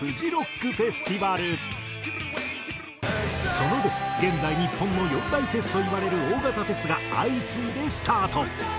その後現在日本の４大フェスといわれる大型フェスが相次いでスタート。